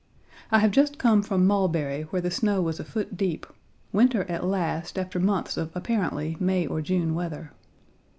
I have just come from Mulberry, where the snow was a foot deep winter at last after months of apparently May or June weather.